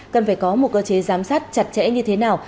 cần phải có một cơ chế giám sát chặt chẽ như thế nào